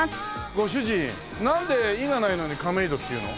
ご主人なんで「い」がないのに「かめいど」っていうの？